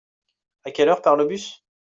À quelle heure part le bus ?